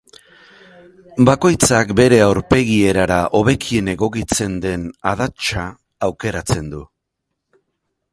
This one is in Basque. Bakoitzak bere aurpegierara hobekien egokitzen den adatsa aukeratzen du.